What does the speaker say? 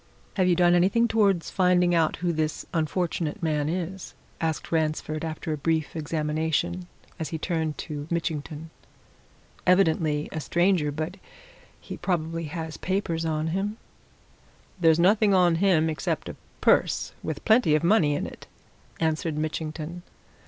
"Have you done anything towards finding out who this unfortunate man is?" asked Ransford, after a brief examination, as he turned to Mitchington. "Evidently a stranger but he probably has papers on him." "There's nothing on him except a purse, with plenty of money in it," answered Mitchington.